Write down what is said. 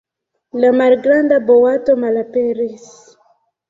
La malgranda boato malaperis!